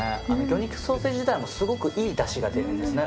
魚肉ソーセージ自体もすごくいいだしが出るんですね